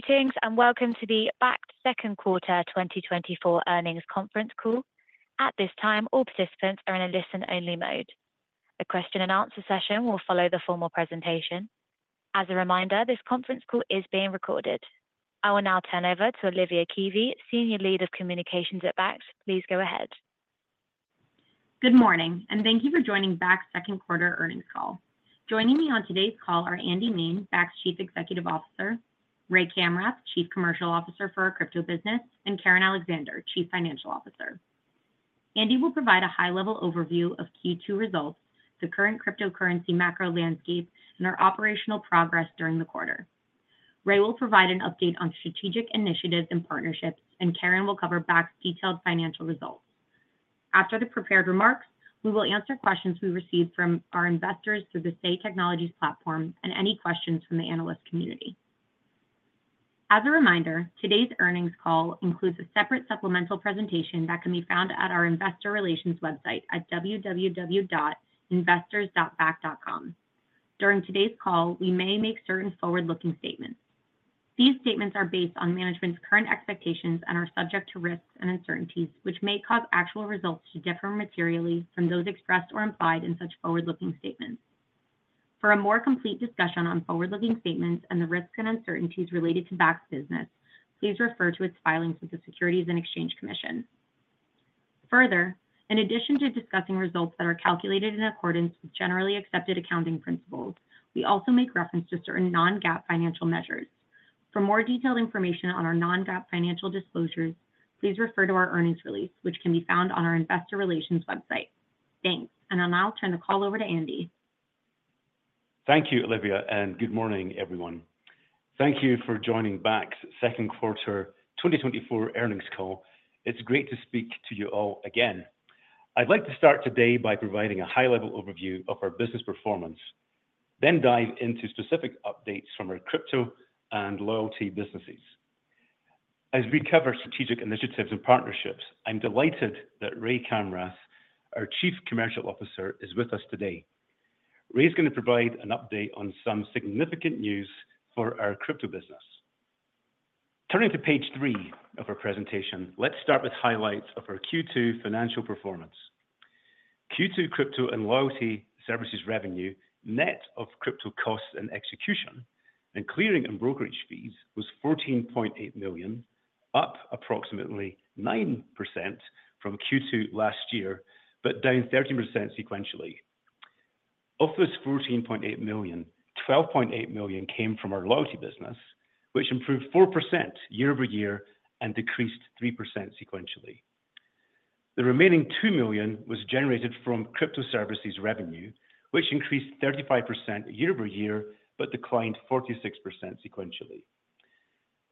Greetings, and welcome to the Bakkt Second Quarter 2024 earnings conference call. At this time, all participants are in a listen-only mode. A question and answer session will follow the formal presentation. As a reminder, this conference call is being recorded. I will now turn over to Olivia Keavy, Senior Lead of Communications at Bakkt. Please go ahead. Good morning, and thank you for joining Bakkt's second quarter earnings call. Joining me on today's call are Andy Main, Bakkt's Chief Executive Officer; Ray Kamrath, Chief Commercial Officer for our crypto business; and Karen Alexander, Chief Financial Officer. Andy will provide a high-level overview of Q2 results, the current cryptocurrency macro landscape, and our operational progress during the quarter. Ray will provide an update on strategic initiatives and partnerships, and Karen will cover Bakkt's detailed financial results. After the prepared remarks, we will answer questions we received from our investors through the Say Technologies platform and any questions from the analyst community. As a reminder, today's earnings call includes a separate supplemental presentation that can be found at our investor relations website at www.investors.bakkt.com. During today's call, we may make certain forward-looking statements. These statements are based on management's current expectations and are subject to risks and uncertainties, which may cause actual results to differ materially from those expressed or implied in such forward-looking statements. For a more complete discussion on forward-looking statements and the risks and uncertainties related to Bakkt's business, please refer to its filings with the Securities and Exchange Commission. Further, in addition to discussing results that are calculated in accordance with generally accepted accounting principles, we also make reference to certain non-GAAP financial measures. For more detailed information on our non-GAAP financial disclosures, please refer to our earnings release, which can be found on our investor relations website. Thanks, and I'll now turn the call over to Andy. Thank you, Olivia, and good morning, everyone. Thank you for joining Bakkt's second quarter 2024 earnings call. It's great to speak to you all again. I'd like to start today by providing a high-level overview of our business performance, then dive into specific updates from our crypto and loyalty businesses. As we cover strategic initiatives and partnerships, I'm delighted that Ray Kamrath, our Chief Commercial Officer, is with us today. Ray is going to provide an update on some significant news for our crypto business. Turning to page 3 of our presentation, let's start with highlights of our Q2 financial performance. Q2 crypto and loyalty services revenue, net of crypto costs and execution, and clearing and brokerage fees, was $14.8 million, up approximately 9% from Q2 last year, but down 13% sequentially. Of this $14.8 million, $12.8 million came from our loyalty business, which improved 4% year-over-year and decreased 3% sequentially. The remaining $2 million was generated from crypto services revenue, which increased 35% year-over-year, but declined 46% sequentially.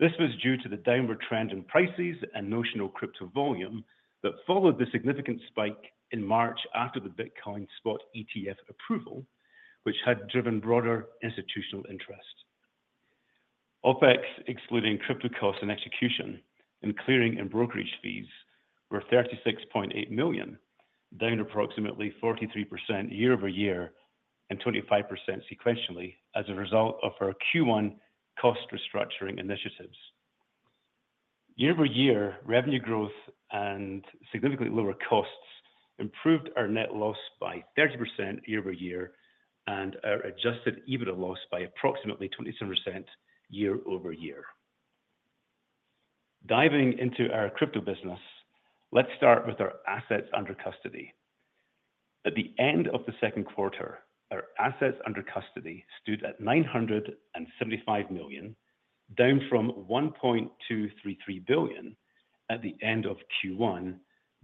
This was due to the downward trend in prices and notional crypto volume that followed the significant spike in March after the Bitcoin spot ETF approval, which had driven broader institutional interest. OpEx, excluding crypto costs and execution and clearing and brokerage fees, were $36.8 million, down approximately 43% year-over-year and 25% sequentially as a result of our Q1 cost restructuring initiatives. Year-over-year, revenue growth and significantly lower costs improved our net loss by 30% year-over-year, and our adjusted EBITDA loss by approximately 27% year-over-year. Diving into our crypto business, let's start with our assets under custody. At the end of the second quarter, our assets under custody stood at $975 million, down from $1.233 billion at the end of Q1,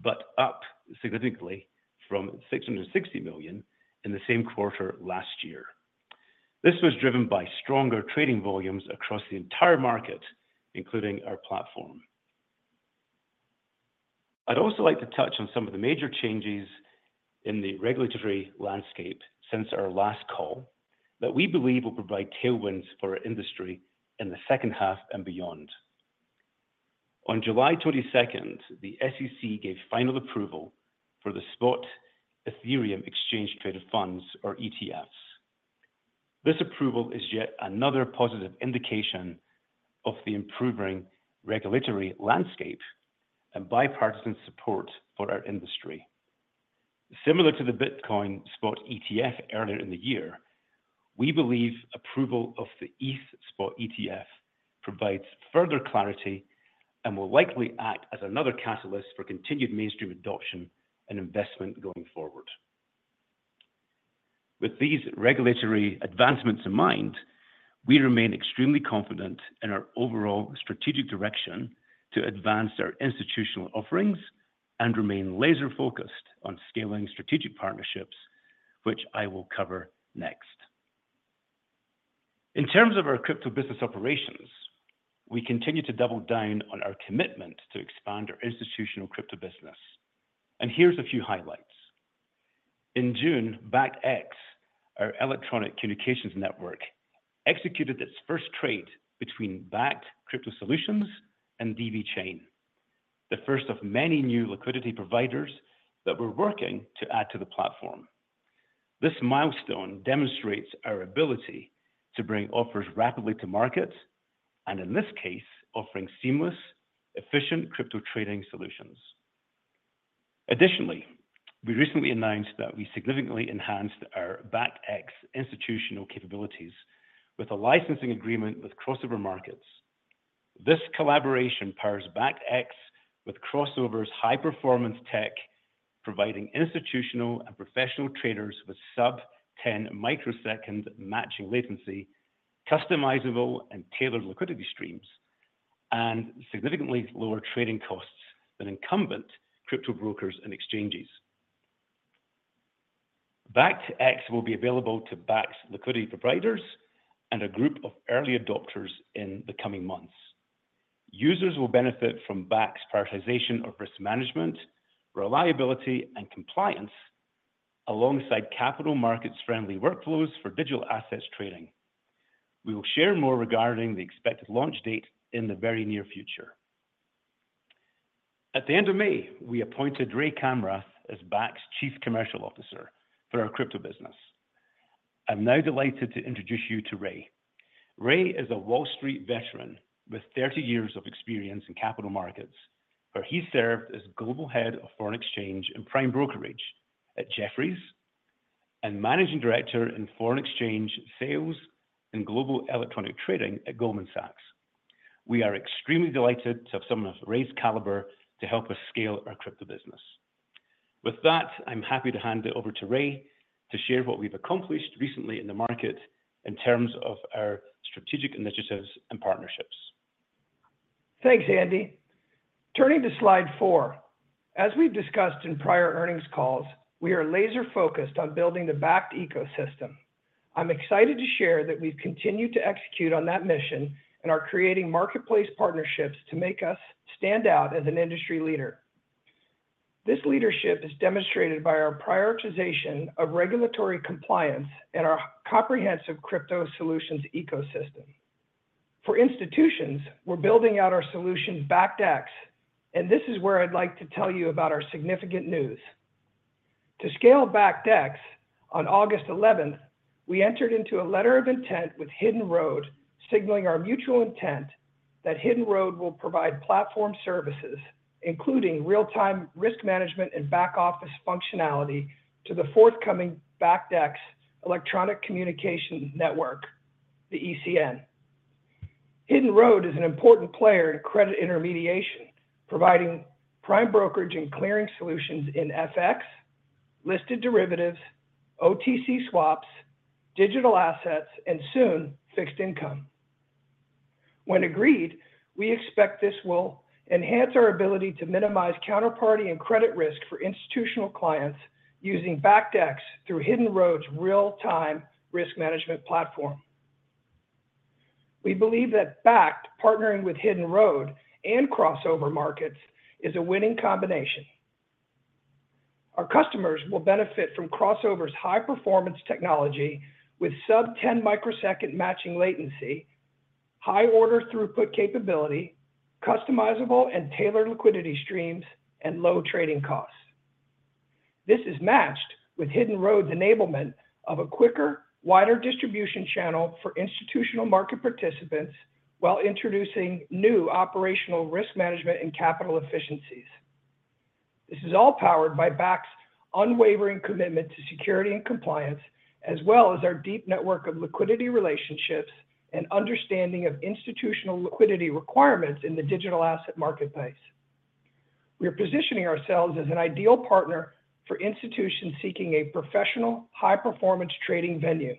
but up significantly from $660 million in the same quarter last year. This was driven by stronger trading volumes across the entire market, including our platform. I'd also like to touch on some of the major changes in the regulatory landscape since our last call that we believe will provide tailwinds for our industry in the second half and beyond. On July 22, the SEC gave final approval for the spot Ethereum exchange-traded funds or ETFs. This approval is yet another positive indication of the improving regulatory landscape and bipartisan support for our industry. Similar to the Bitcoin spot ETF earlier in the year, we believe approval of the ETH spot ETF provides further clarity and will likely act as another catalyst for continued mainstream adoption and investment going forward. With these regulatory advancements in mind, we remain extremely confident in our overall strategic direction to advance our institutional offerings and remain laser-focused on scaling strategic partnerships, which I will cover next. In terms of our crypto business operations, we continue to double down on our commitment to expand our institutional crypto business, and here's a few highlights: In June, BakktX, our Electronic Communication Network, executed its first trade between Bakkt Crypto Solutions and DV Chain, the first of many new liquidity providers that we're working to add to the platform. This milestone demonstrates our ability to bring offers rapidly to market, and in this case, offering seamless, efficient crypto trading solutions. Additionally, we recently announced that we significantly enhanced our BakktX institutional capabilities with a licensing agreement with Crossover Markets. This collaboration powers BakktX with Crossover's high-performance tech, providing institutional and professional traders with sub-10 microsecond matching latency, customizable and tailored liquidity streams, and significantly lower trading costs than incumbent crypto brokers and exchanges. BakktX will be available to Bakkt's liquidity providers and a group of early adopters in the coming months. Users will benefit from Bakkt's prioritization of risk management, reliability, and compliance, alongside capital markets-friendly workflows for digital assets trading. We will share more regarding the expected launch date in the very near future. At the end of May, we appointed Ray Kamrath as Bakkt's Chief Commercial Officer for our crypto business. I'm now delighted to introduce you to Ray. Ray is a Wall Street veteran with 30 years of experience in capital markets, where he served as Global Head of Foreign Exchange and Prime Brokerage at Jefferies, and Managing Director in Foreign Exchange Sales and Global Electronic Trading at Goldman Sachs. We are extremely delighted to have someone of Ray's caliber to help us scale our crypto business. With that, I'm happy to hand it over to Ray to share what we've accomplished recently in the market in terms of our strategic initiatives and partnerships. Thanks, Andy. Turning to slide 4, as we've discussed in prior earnings calls, we are laser-focused on building the Bakkt ecosystem. I'm excited to share that we've continued to execute on that mission, and are creating marketplace partnerships to make us stand out as an industry leader. This leadership is demonstrated by our prioritization of regulatory compliance and our comprehensive crypto solutions ecosystem. For institutions, we're building out our solution, BakktX, and this is where I'd like to tell you about our significant news. To scale BakktX, on August eleventh, we entered into a letter of intent with Hidden Road, signaling our mutual intent that Hidden Road will provide platform services, including real-time risk management and back-office functionality, to the forthcoming BakktX Electronic Communication Network, the ECN. Hidden Road is an important player in credit intermediation, providing prime brokerage and clearing solutions in FX, listed derivatives, OTC swaps, digital assets, and soon, fixed income. When agreed, we expect this will enhance our ability to minimize counterparty and credit risk for institutional clients using BakktX through Hidden Road's real-time risk management platform. We believe that Bakkt partnering with Hidden Road and Crossover Markets is a winning combination. Our customers will benefit from Crossover's high-performance technology with sub-ten microsecond matching latency, high order throughput capability, customizable and tailored liquidity streams, and low trading costs. This is matched with Hidden Road's enablement of a quicker, wider distribution channel for institutional market participants, while introducing new operational risk management and capital efficiencies. This is all powered by Bakkt's unwavering commitment to security and compliance, as well as our deep network of liquidity relationships and understanding of institutional liquidity requirements in the digital asset marketplace. We are positioning ourselves as an ideal partner for institutions seeking a professional, high-performance trading venue.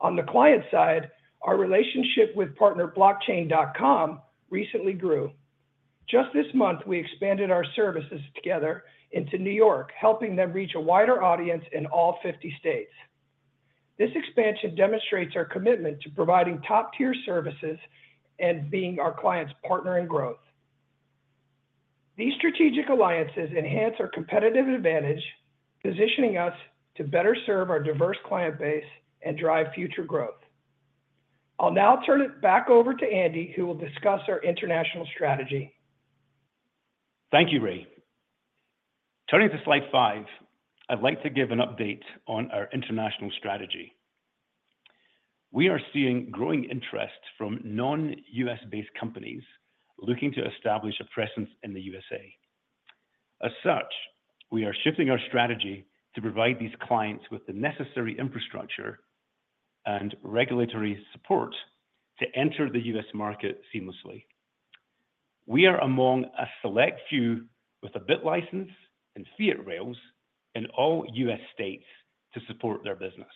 On the client side, our relationship with partner Blockchain.com recently grew. Just this month, we expanded our services together into New York, helping them reach a wider audience in all 50 states. This expansion demonstrates our commitment to providing top-tier services and being our client's partner in growth. These strategic alliances enhance our competitive advantage, positioning us to better serve our diverse client base and drive future growth. I'll now turn it back over to Andy, who will discuss our international strategy. Thank you, Ray. Turning to slide 5, I'd like to give an update on our international strategy. We are seeing growing interest from non-U.S.-based companies looking to establish a presence in the USA. As such, we are shifting our strategy to provide these clients with the necessary infrastructure and regulatory support to enter the U.S. market seamlessly. We are among a select few with a BitLicense and fiat rails in all U.S. states to support their business.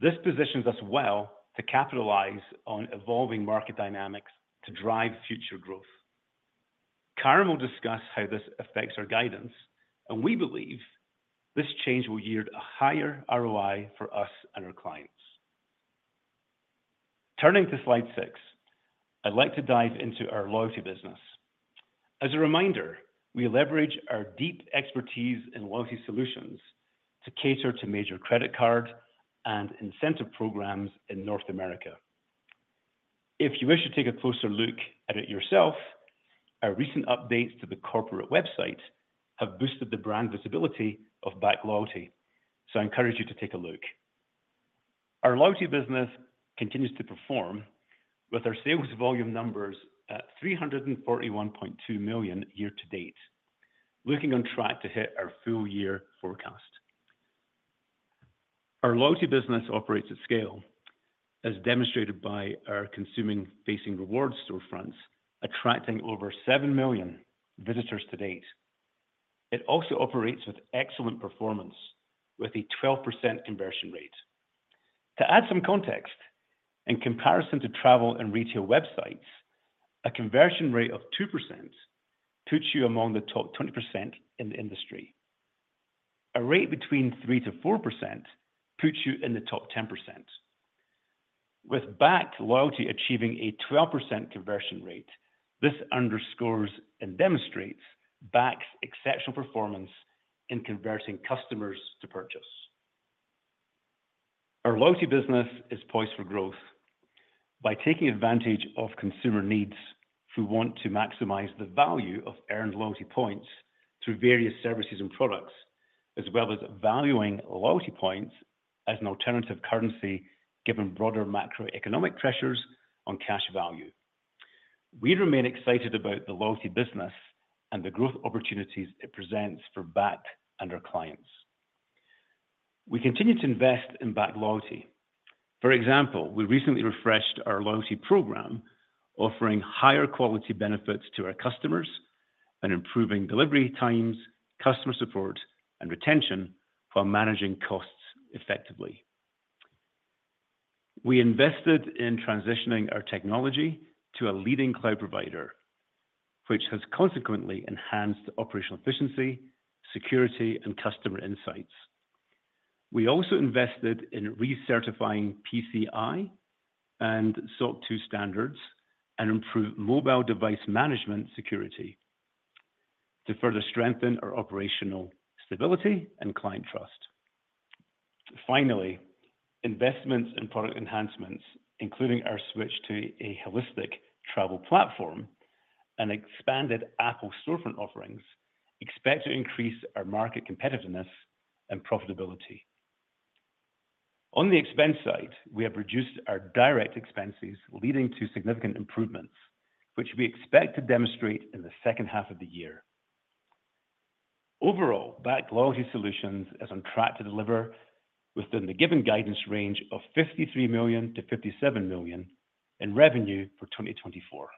This positions us well to capitalize on evolving market dynamics to drive future growth. Karen will discuss how this affects our guidance, and we believe this change will yield a higher ROI for us and our clients. Turning to slide 6, I'd like to dive into our loyalty business. As a reminder, we leverage our deep expertise in loyalty solutions to cater to major credit card and incentive programs in North America. If you wish to take a closer look at it yourself, our recent updates to the corporate website have boosted the brand visibility of Bakkt Loyalty, so I encourage you to take a look. Our loyalty business continues to perform with our sales volume numbers at $341.2 million year to date, looking on track to hit our full year forecast. Our loyalty business operates at scale, as demonstrated by our consumer-facing reward storefronts, attracting over 7 million visitors to date. It also operates with excellent performance, with a 12% conversion rate. To add some context, in comparison to travel and retail websites, a conversion rate of 2% puts you among the top 20% in the industry. A rate between 3%-4% puts you in the top 10%. With Bakkt Loyalty achieving a 12% conversion rate, this underscores and demonstrates Bakkt's exceptional performance in converting customers to purchase. Our loyalty business is poised for growth by taking advantage of consumer needs, who want to maximize the value of earned loyalty points through various services and products, as well as valuing loyalty points as an alternative currency, given broader macroeconomic pressures on cash value. We remain excited about the loyalty business and the growth opportunities it presents for Bakkt and our clients. We continue to invest in Bakkt Loyalty. For example, we recently refreshed our loyalty program, offering higher quality benefits to our customers and improving delivery times, customer support, and retention, while managing costs effectively. We invested in transitioning our technology to a leading cloud provider, which has consequently enhanced operational efficiency, security, and customer insights. We also invested in recertifying PCI and SOC 2 standards and improved mobile device management security to further strengthen our operational stability and client trust. Finally, investments in product enhancements, including our switch to a holistic travel platform and expanded Apple storefront offerings, expect to increase our market competitiveness and profitability. On the expense side, we have reduced our direct expenses, leading to significant improvements, which we expect to demonstrate in the second half of the year. Overall, Bakkt Loyalty Solutions is on track to deliver within the given guidance range of $53 million-$57 million in revenue for 2024.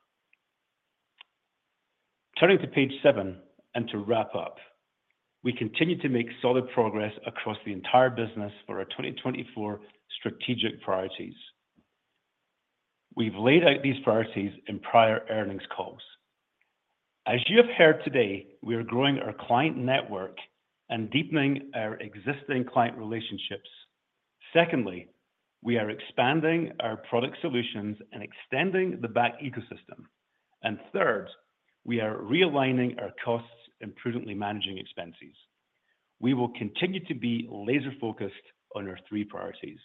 Turning to page 7, and to wrap up, we continue to make solid progress across the entire business for our 2024 strategic priorities. We've laid out these priorities in prior earnings calls. As you have heard today, we are growing our client network and deepening our existing client relationships. Secondly, we are expanding our product solutions and extending the Bakkt ecosystem. Third, we are realigning our costs and prudently managing expenses. We will continue to be laser-focused on our three priorities.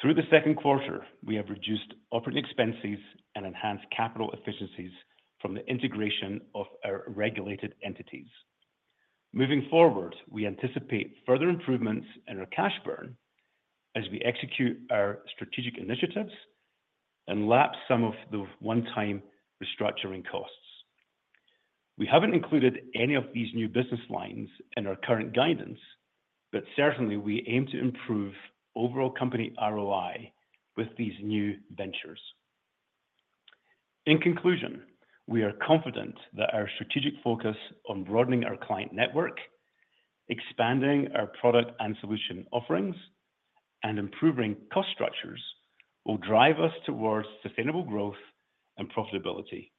Through the second quarter, we have reduced operating expenses and enhanced capital efficiencies from the integration of our regulated entities. Moving forward, we anticipate further improvements in our cash burn as we execute our strategic initiatives and lapse some of the one-time restructuring costs. We haven't included any of these new business lines in our current guidance, but certainly, we aim to improve overall company ROI with these new ventures. In conclusion, we are confident that our strategic focus on broadening our client network, expanding our product and solution offerings, and improving cost structures, will drive us towards sustainable growth and profitability.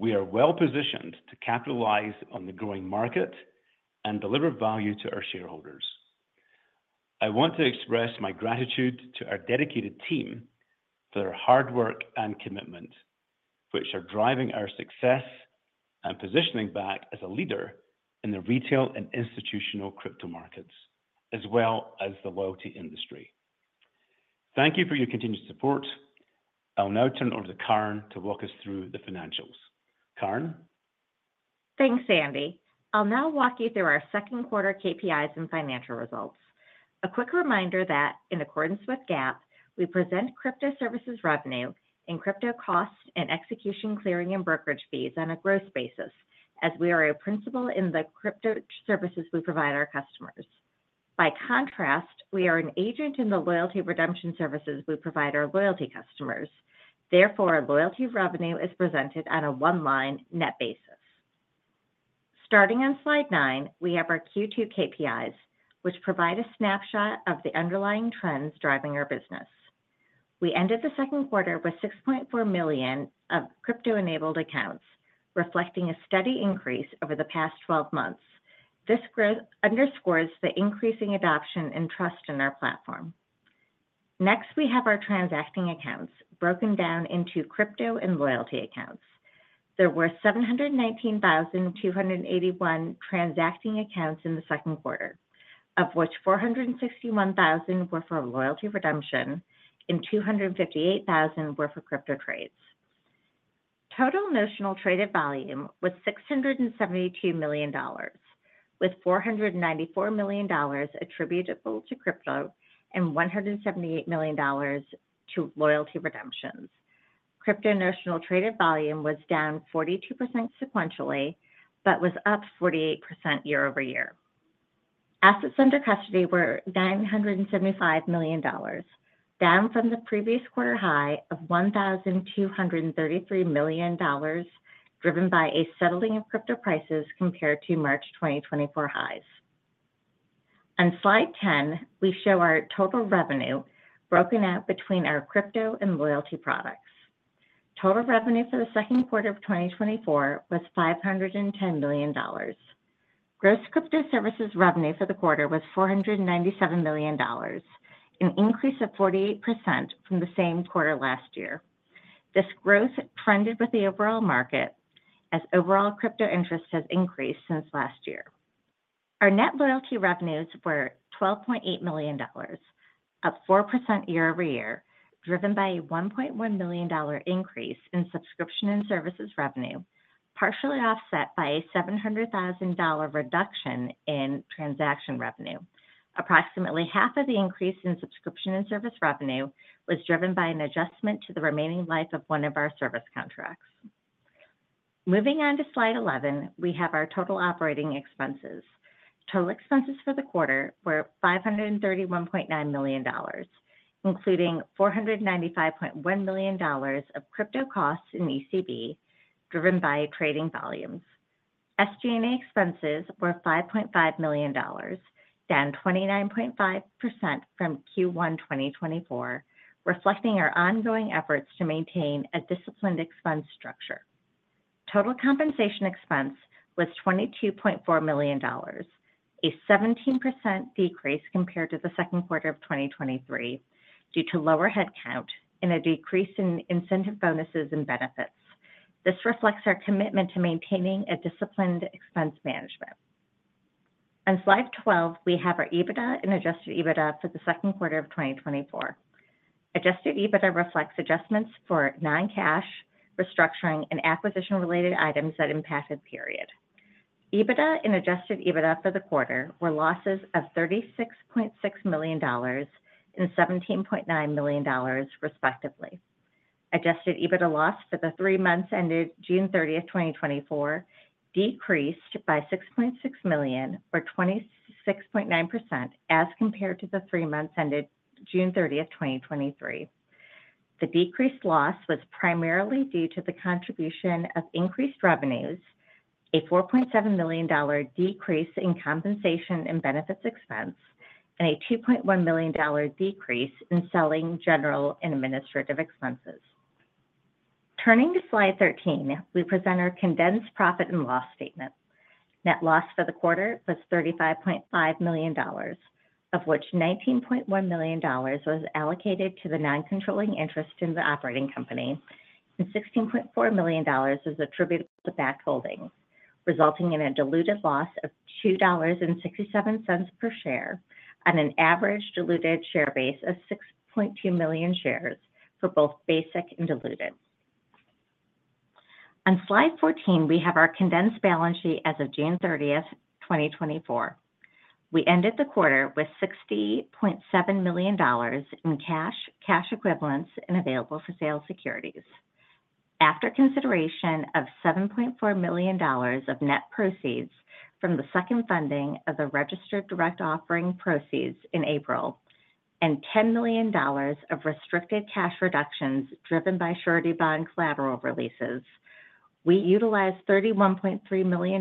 We are well positioned to capitalize on the growing market and deliver value to our shareholders. I want to express my gratitude to our dedicated team for their hard work and commitment, which are driving our success and positioning Bakkt as a leader in the retail and institutional crypto markets, as well as the loyalty industry. Thank you for your continued support. I'll now turn over to Karen to walk us through the financials. Karen? Thanks, Andy. I'll now walk you through our second quarter KPIs and financial results. A quick reminder that in accordance with GAAP, we present crypto services revenue and crypto costs and execution, clearing, and brokerage fees on a gross basis, as we are a principal in the crypto services we provide our customers. By contrast, we are an agent in the loyalty redemption services we provide our loyalty customers. Therefore, loyalty revenue is presented on a one-line net basis. Starting on slide 9, we have our Q2 KPIs, which provide a snapshot of the underlying trends driving our business. We ended the second quarter with 6.4 million of crypto-enabled accounts, reflecting a steady increase over the past 12 months. This growth underscores the increasing adoption and trust in our platform. Next, we have our transacting accounts broken down into crypto and loyalty accounts... There were 719,281 transacting accounts in the second quarter, of which 461,000 were for loyalty redemption and 258,000 were for crypto trades. Total notional traded volume was $672 million, with $494 million attributable to crypto and $178 million to loyalty redemptions. Crypto notional traded volume was down 42% sequentially, but was up 48% year-over-year. Assets under custody were $975 million, down from the previous quarter high of $1,233 billion, driven by a settling of crypto prices compared to March 2024 highs. On slide 10, we show our total revenue broken out between our crypto and loyalty products. Total revenue for the second quarter of 2024 was $510 million. Gross crypto services revenue for the quarter was $497 million, an increase of 48% from the same quarter last year. This growth trended with the overall market, as overall crypto interest has increased since last year. Our net loyalty revenues were $12.8 million, up 4% year-over-year, driven by a $1.1 million increase in subscription and services revenue, partially offset by a $700,000 reduction in transaction revenue. Approximately half of the increase in subscription and service revenue was driven by an adjustment to the remaining life of one of our service contracts. Moving on to slide 11, we have our total operating expenses. Total expenses for the quarter were $531.9 million, including $495.1 million of crypto costs in ECB, driven by trading volumes. SG&A expenses were $5.5 million, down 29.5% from Q1 2024, reflecting our ongoing efforts to maintain a disciplined expense structure. Total compensation expense was $22.4 million, a 17% decrease compared to the second quarter of 2023, due to lower headcount and a decrease in incentive bonuses and benefits. This reflects our commitment to maintaining a disciplined expense management. On slide 12, we have our EBITDA and adjusted EBITDA for the second quarter of 2024. Adjusted EBITDA reflects adjustments for non-cash, restructuring, and acquisition-related items that impacted period. EBITDA and Adjusted EBITDA for the quarter were losses of $36.6 million and $17.9 million, respectively. Adjusted EBITDA loss for the three months ended June 30, 2024, decreased by $6.6 million, or 26.9%, as compared to the three months ended June 30, 2023. The decreased loss was primarily due to the contribution of increased revenues, a $4.7 million decrease in compensation and benefits expense, and a $2.1 million decrease in selling, general, and administrative expenses. Turning to slide 13, we present our condensed profit and loss statement. Net loss for the quarter was $35.5 million, of which $19.1 million was allocated to the non-controlling interest in the operating company, and $16.4 million was attributable to Bakkt Holdings, resulting in a dilutive loss of $2.67 per share on an average diluted share base of 6.2 million shares for both basic and diluted. On slide 14, we have our condensed balance sheet as of June 30, 2024. We ended the quarter with $60.7 million in cash, cash equivalents, and available for sale securities. After consideration of $7.4 million of net proceeds from the second funding of the registered direct offering proceeds in April, and $10 million of restricted cash reductions driven by surety bond collateral releases, we utilized $31.3 million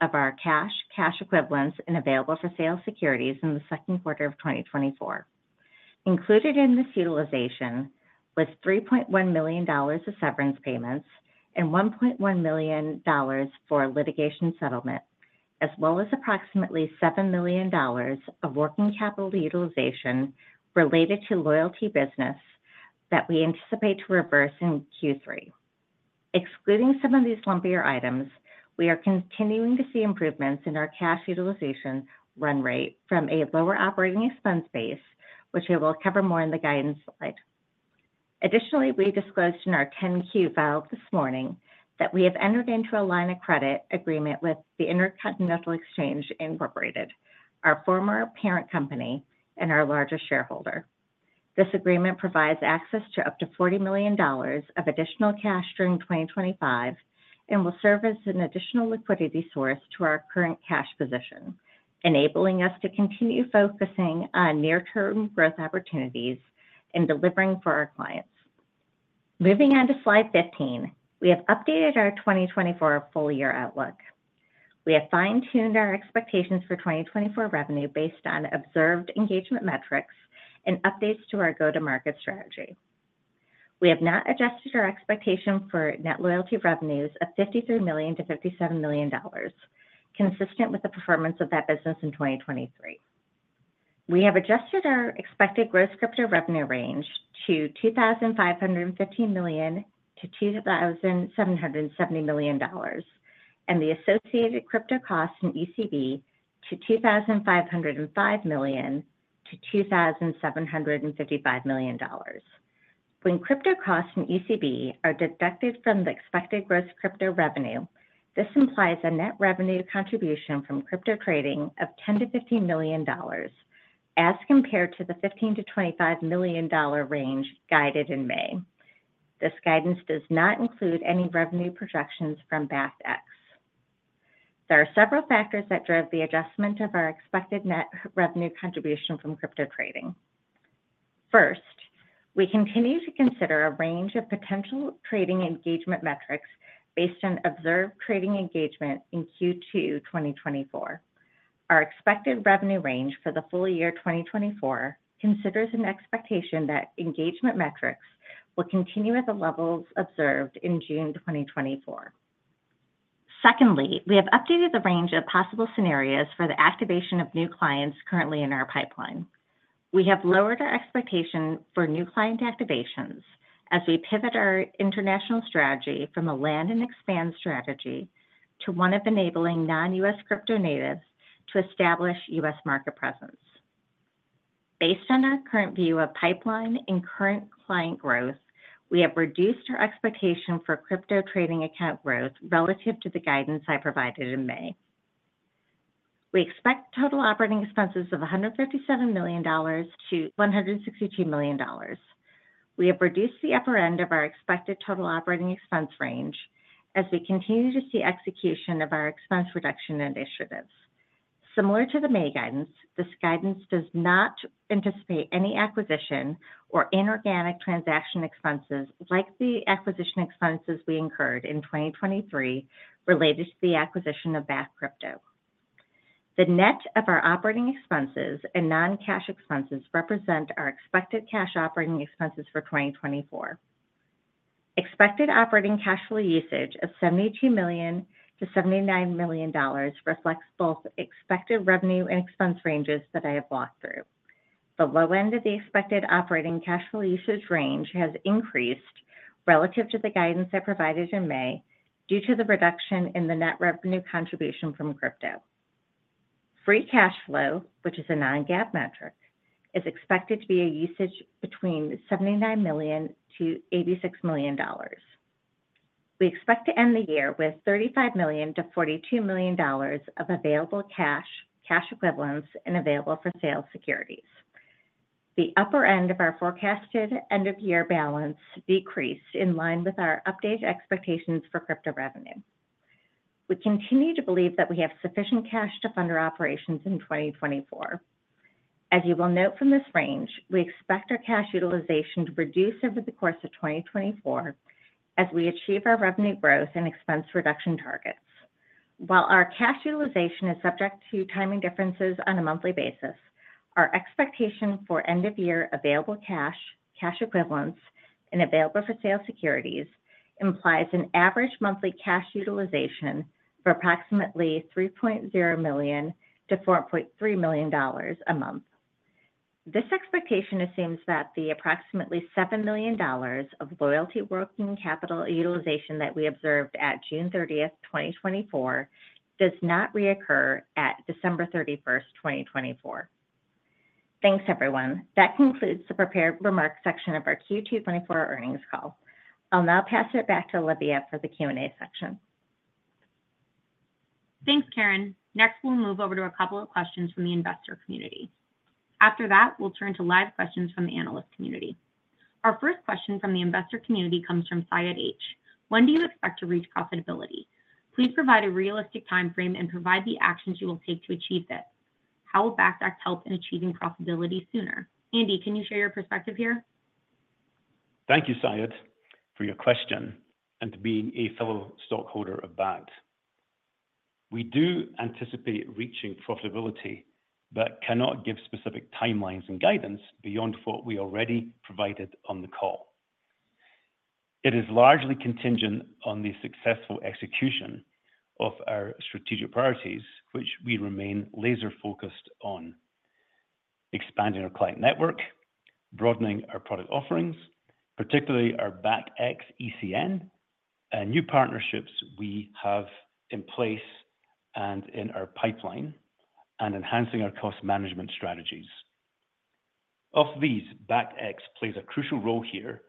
of our cash, cash equivalents, and available for sale securities in the second quarter of 2024. Included in this utilization was $3.1 million of severance payments and $1.1 million for litigation settlement, as well as approximately $7 million of working capital utilization related to loyalty business that we anticipate to reverse in Q3. Excluding some of these lumpier items, we are continuing to see improvements in our cash utilization run rate from a lower operating expense base, which we will cover more in the guidance slide. Additionally, we disclosed in our 10-Q file this morning that we have entered into a line of credit agreement with the Intercontinental Exchange, Inc., our former parent company and our largest shareholder. This agreement provides access to up to $40 million of additional cash during 2025, and will serve as an additional liquidity source to our current cash position, enabling us to continue focusing on near-term growth opportunities and delivering for our clients. Moving on to slide 15, we have updated our 2024 full year outlook. We have fine-tuned our expectations for 2024 revenue based on observed engagement metrics and updates to our go-to-market strategy. We have not adjusted our expectation for net loyalty revenues of $53 million-$57 million, consistent with the performance of that business in 2023.... We have adjusted our expected gross crypto revenue range to $2,550 million-$2,770 million, and the associated crypto costs and EBITDA to $2,505 million-$2,755 million. When crypto costs and EBITDA are deducted from the expected gross crypto revenue, this implies a net revenue contribution from crypto trading of $10 million-$15 million, as compared to the $15 million-$25 million range guided in May. This guidance does not include any revenue projections from BakktX. There are several factors that drove the adjustment of our expected net revenue contribution from crypto trading. First, we continue to consider a range of potential trading engagement metrics based on observed trading engagement in Q2 2024. Our expected revenue range for the full year 2024 considers an expectation that engagement metrics will continue at the levels observed in June 2024. Secondly, we have updated the range of possible scenarios for the activation of new clients currently in our pipeline. We have lowered our expectation for new client activations as we pivot our international strategy from a land and expand strategy to one of enabling non-U.S. crypto natives to establish U.S. market presence. Based on our current view of pipeline and current client growth, we have reduced our expectation for crypto trading account growth relative to the guidance I provided in May. We expect total operating expenses of $157 million-$162 million. We have reduced the upper end of our expected total operating expense range as we continue to see execution of our expense reduction initiatives. Similar to the May guidance, this guidance does not anticipate any acquisition or inorganic transaction expenses, like the acquisition expenses we incurred in 2023 related to the acquisition of Bakkt Crypto. The net of our operating expenses and non-cash expenses represent our expected cash operating expenses for 2024. Expected operating cash flow usage of $72 million-$79 million reflects both expected revenue and expense ranges that I have walked through. The low end of the expected operating cash flow usage range has increased relative to the guidance I provided in May, due to the reduction in the net revenue contribution from crypto. Free cash flow, which is a non-GAAP metric, is expected to be a usage between $79 million-$86 million. We expect to end the year with $35 million-$42 million of available cash, cash equivalents, and available for sale securities. The upper end of our forecasted end-of-year balance decreased in line with our updated expectations for crypto revenue. We continue to believe that we have sufficient cash to fund our operations in 2024. As you will note from this range, we expect our cash utilization to reduce over the course of 2024 as we achieve our revenue growth and expense reduction targets. While our cash utilization is subject to timing differences on a monthly basis, our expectation for end-of-year available cash, cash equivalents, and available for sale securities implies an average monthly cash utilization for approximately $3.0 million-$4.3 million a month. This expectation assumes that the approximately $7 million of loyalty working capital utilization that we observed at June 30, 2024, does not reoccur at December 31, 2024. Thanks, everyone. That concludes the prepared remarks section of our Q2 2024 earnings call. I'll now pass it back to Olivia for the Q&A section. Thanks, Karen. Next, we'll move over to a couple of questions from the investor community. After that, we'll turn to live questions from the analyst community. Our first question from the investor community comes from Syed H: When do you expect to reach profitability? Please provide a realistic timeframe and provide the actions you will take to achieve this. How will BakktX help in achieving profitability sooner? Andy, can you share your perspective here? Thank you, Syed, for your question, and to being a fellow stockholder of Bakkt. We do anticipate reaching profitability, but cannot give specific timelines and guidance beyond what we already provided on the call. It is largely contingent on the successful execution of our strategic priorities, which we remain laser-focused on: expanding our client network, broadening our product offerings, particularly our BakktX ECN, and new partnerships we have in place and in our pipeline, and enhancing our cost management strategies. Of these, BakktX plays a crucial role here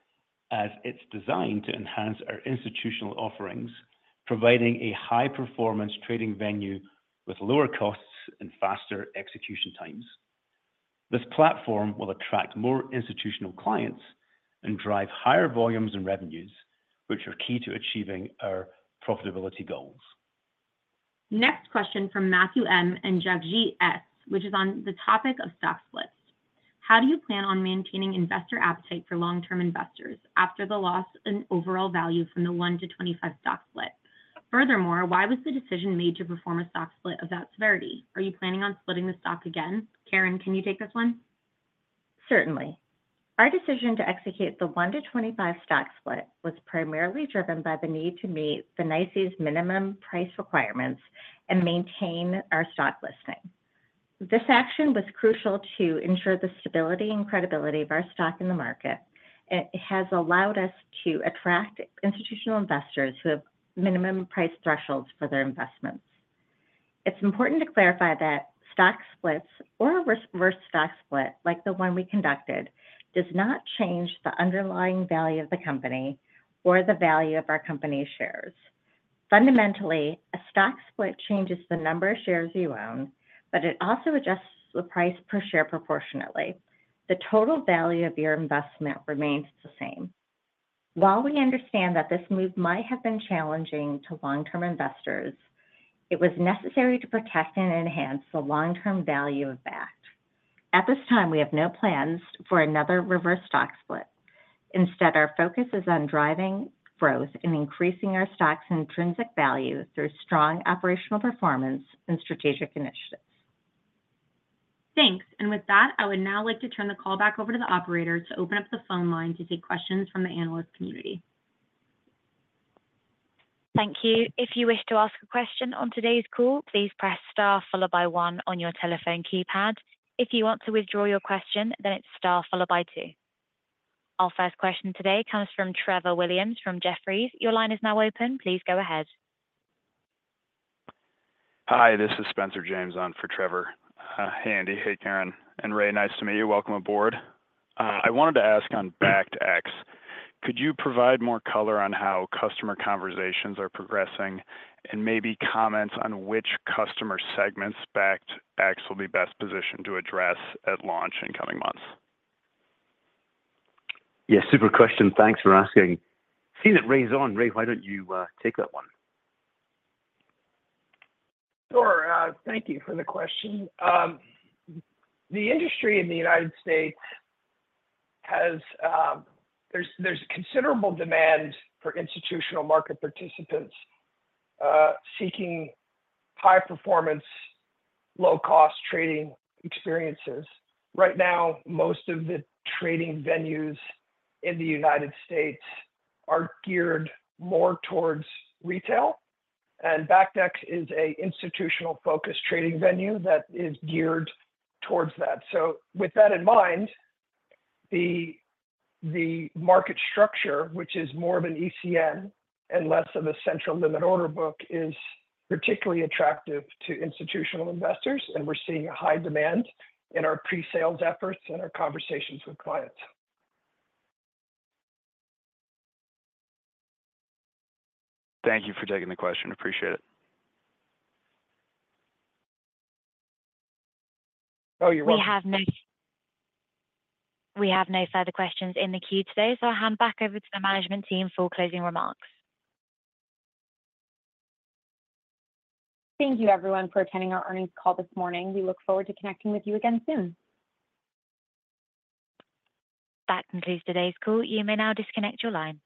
as it's designed to enhance our institutional offerings, providing a high-performance trading venue with lower costs and faster execution times. This platform will attract more institutional clients and drive higher volumes and revenues, which are key to achieving our profitability goals. Next question from Matthew M. and Javji S., which is on the topic of stock splits. How do you plan on maintaining investor appetite for long-term investors after the loss and overall value from the 1-to-25 stock split? Furthermore, why was the decision made to perform a stock split of that severity? Are you planning on splitting the stock again? Karen, can you take this one? ...Certainly. Our decision to execute the 1-to-25 stock split was primarily driven by the need to meet the NYSE's minimum price requirements and maintain our stock listing. This action was crucial to ensure the stability and credibility of our stock in the market, and it has allowed us to attract institutional investors who have minimum price thresholds for their investments. It's important to clarify that stock splits or a reverse stock split, like the one we conducted, does not change the underlying value of the company or the value of our company's shares. Fundamentally, a stock split changes the number of shares you own, but it also adjusts the price per share proportionately. The total value of your investment remains the same. While we understand that this move might have been challenging to long-term investors, it was necessary to protect and enhance the long-term value of Bakkt. At this time, we have no plans for another reverse stock split. Instead, our focus is on driving growth and increasing our stock's intrinsic value through strong operational performance and strategic initiatives. Thanks. With that, I would now like to turn the call back over to the operator to open up the phone line to take questions from the analyst community. Thank you. If you wish to ask a question on today's call, please press star followed by one on your telephone keypad. If you want to withdraw your question, then it's star followed by two. Our first question today comes from Trevor Williams from Jefferies. Your line is now open. Please go ahead. Hi, this is Spencer James on for Trevor. Hey, Andy. Hey, Karen. And Ray, nice to meet you. Welcome aboard. I wanted to ask on BakktX, could you provide more color on how customer conversations are progressing, and maybe comments on which customer segments BakktX will be best positioned to address at launch in coming months? Yeah, super question. Thanks for asking. Seeing that Ray's on, Ray, why don't you take that one? Sure. Thank you for the question. The industry in the United States has... There's considerable demand for institutional market participants seeking high-performance, low-cost trading experiences. Right now, most of the trading venues in the United States are geared more towards retail, and Bakkt X is a institutional-focused trading venue that is geared towards that. So with that in mind, the market structure, which is more of an ECN and less of a central limit order book, is particularly attractive to institutional investors, and we're seeing a high demand in our pre-sales efforts and our conversations with clients. Thank you for taking the question. Appreciate it. Oh, you're welcome. We have no further questions in the queue today, so I'll hand back over to the management team for closing remarks. Thank you, everyone, for attending our earnings call this morning. We look forward to connecting with you again soon. That concludes today's call. You may now disconnect your line.